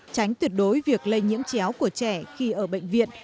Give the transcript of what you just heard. tránh tuyệt đối việc lây nhiễm chéo của trẻ khi ở bệnh viện